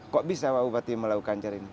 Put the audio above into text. kok bisa pak bupati melakukan cara ini